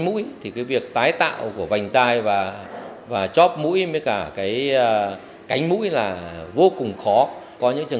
mũi thì cái việc tái tạo của vành tai và chóp mũi với cả cái cánh mũi là vô cùng khó có những trường